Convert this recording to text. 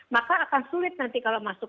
maka akan sulit nanti kalau masuk ke rumah